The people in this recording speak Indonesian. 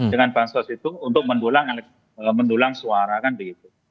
dengan bansos itu untuk mendulang suara kan begitu